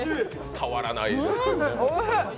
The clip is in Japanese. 伝わらないですね。